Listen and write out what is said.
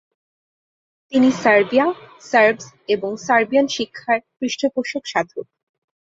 তিনি Serbia, Serbs এবং Serbian শিক্ষার পৃষ্ঠপোষক সাধক।